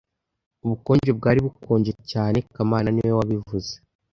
Ubukonje bwari bukonje cyane kamana niwe wabivuze